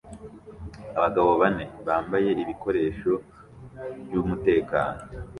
Abagabo bane bambaye ibikoresho byumutekano